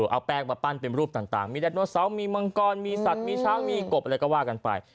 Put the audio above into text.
เอาแป้งมาปั้นเป็นรูปต่างมีไดโนเซามีมังกรมีสัตว์มีช้างมีกบอะไรก็ว่ากันไป